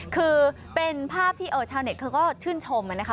คือเป็นภาพที่ชาวเน็ตเขาก็ชื่นชมนะคะ